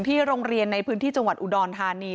ที่โรงเรียนในพื้นที่จังหวัดอุดรธานี